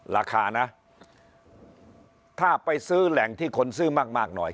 ราคานะถ้าไปซื้อแหล่งที่คนซื้อมากหน่อย